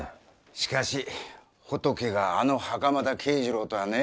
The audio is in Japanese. しかしホトケがあの袴田啓二郎とはね。